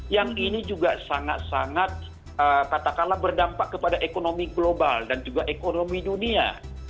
yang ini juga sangat sangat katakanlah berdampak kepada ekonomi global dan juga ekonomi dunia